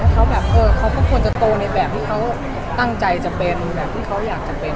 เขาแบบเขาก็ควรจะโตในแบบที่เขาตั้งใจจะเป็นแบบที่เขาอยากจะเป็น